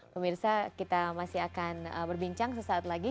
pemirsa kita masih akan berbincang sesaat lagi